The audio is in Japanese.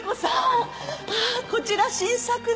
ああこちら新作ね。